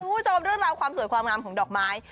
คุณผู้ชมเรื่องราวความสวยความงามของดอกไม้